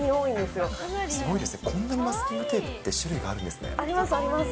すごいですね、こんなにマスキングテープって種類があるんですね。あります、あります。